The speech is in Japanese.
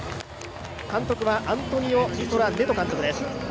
監督はアントニオ・リソラ・ネト監督です。